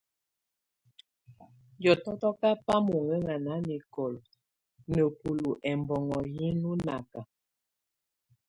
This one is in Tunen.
Hiɔtɔ́yɔ kába mønŋɛŋa nanɛkɔla nəbúlu ɛmbɔnŋo yɛnɔ náka.